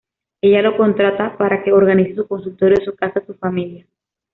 Ella lo contrata para que organice su consultorio, su casa, su familia.